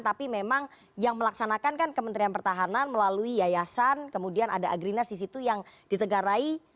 tapi memang yang melaksanakan kan kementerian pertahanan melalui yayasan kemudian ada agrinas di situ yang ditegarai